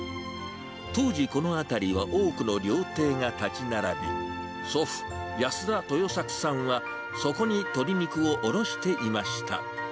当時、この辺りは多くの料亭が建ち並び、祖父、安田豊作さんは、そこに鶏肉を卸していました。